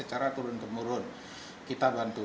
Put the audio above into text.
secara turun temurun kita bantu